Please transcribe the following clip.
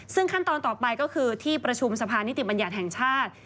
ซึ่งขั้นตอนต่อไปก็คือที่ประชุมสภานิติบัญญัติแห่งชาติ